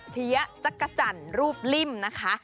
เี้ยจักรจันทร์รูปลิ่มนะคะ